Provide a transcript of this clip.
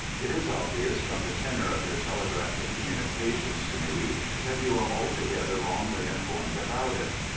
It is obvious from the tenor of your telegraphic communications to me, that you are altogether wrongly informed about it.